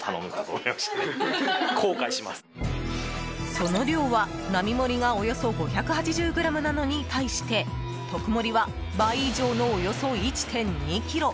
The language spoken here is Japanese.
その量は、並盛りがおよそ５８０ｇなのに対して特盛は倍以上のおよそ１．２ｋｇ。